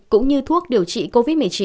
cũng như thuốc điều trị covid một mươi chín